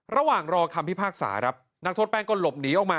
ระหว่างรอคำพิพากษาครับนักโทษแป้งก็หลบหนีออกมา